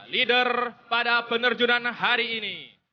leader pada penerjunan hari ini